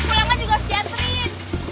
pulangnya juga sudah jelasin